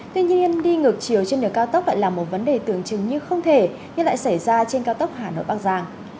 tuy nhiên đi ngược chiều trên đường cao tốc lại là một vấn đề tưởng chừng như không thể nhưng lại xảy ra trên cao tốc hà nội bắc giang